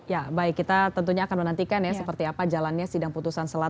ya baik kita tentunya akan menantikan ya seperti apa jalannya sidang putusan selanjutnya